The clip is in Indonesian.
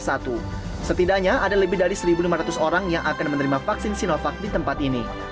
setidaknya ada lebih dari satu lima ratus orang yang akan menerima vaksin sinovac di tempat ini